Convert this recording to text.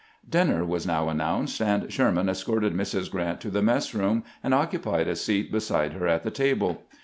Dinner was now announced, and Sherman escorted Mrs. Grrant to the mess room, and occupied a seat beside her at the table.